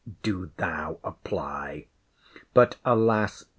—Do thou apply. But, alas!